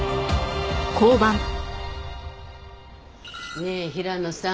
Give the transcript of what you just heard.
ねえ平野さん。